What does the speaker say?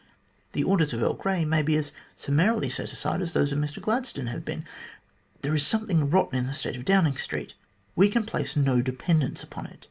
The orders of Earl Grey may be as summarily set aside as those of Mr Gladstone have been. There is something rotten in the state of Downing Street. We can place no dependence upon it.